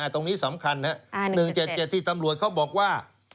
ตรงนี้สำคัญ๑๗๗ที่ตำรวจเขาบอกว่า